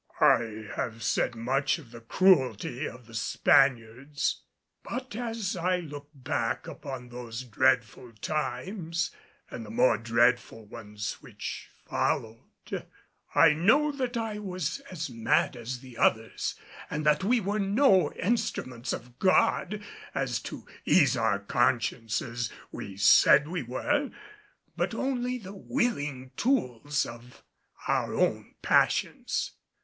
I have said much of the cruelty of the Spaniards, but as I look back upon those dreadful times and the more dreadful ones which followed, I know that I was as mad as the others and that we were no instruments of God as, to ease our consciences, we said we were, but only the willing tools of our own passions.